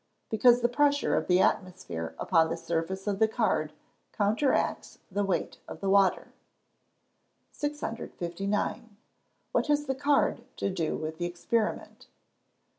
_ Because the pressure of the atmosphere upon the surface of the card counteracts the weight of the water. 659. _What has the card to do with the experiment?